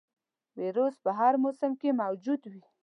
ویروس په هر موسم کې موجود وي.